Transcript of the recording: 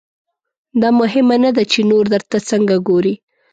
دا مهمه نه ده چې نور درته څنګه ګوري.